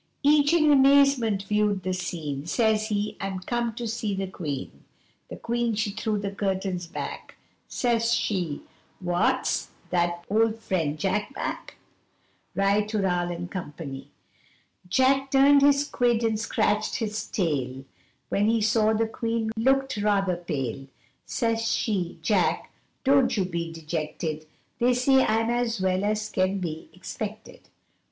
Each in amazement viewed the scene Says he 'I'm comed to see the Queen!' The Queen she threw the curtains back Says she 'What's that my old friend Jack?' Ri tooral, &c. Jack turned his quid, and scratched his tail, When he saw the Queen looked rather pale Says she, 'Jack, don't you be dejected They say I'm as well as can be expected!